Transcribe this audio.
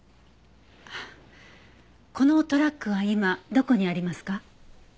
このトラックは今どこにありますか？